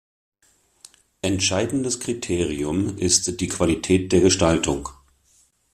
Entscheidendes Kriterium ist die Qualität der Gestaltung.